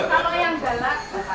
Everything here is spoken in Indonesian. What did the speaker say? kalau yang galak datanya